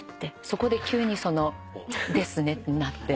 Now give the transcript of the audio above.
そこで急に「ですね」になって。